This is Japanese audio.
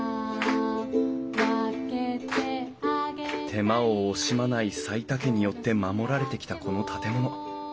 手間を惜しまない齋田家によって守られてきたこの建物。